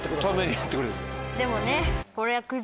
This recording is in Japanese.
でもね。